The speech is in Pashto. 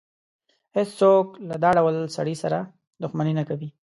هېڅ څوک له دا ډول سړي سره دښمني نه کوي.